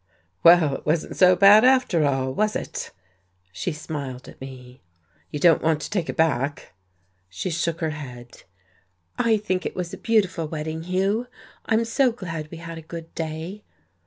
"Well it wasn't so bad after all! Was it?" She smiled at me. "You don't want to take it back?" She shook her head. "I think it was a beautiful wedding, Hugh. I'm so glad we had a good day."...